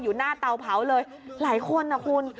หน้าเตาเผาเลยหลายคนนะคุณ